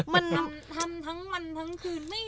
มันทำทั้งวันทั้งคืนไม่อยู่